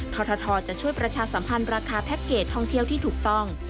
ททจะช่วยประชาสัมพันธ์ราคาแพ็คเกจท่องเที่ยวที่ถูกต้อง